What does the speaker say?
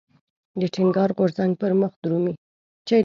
د ټينګار غورځنګ پرمخ درومي.